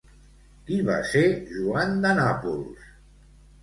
Qui va ser Joan de Nàpols?